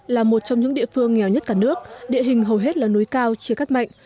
là một trong những địa phương nghèo nhất cả nước địa hình hầu hết là núi cao chia cắt mạnh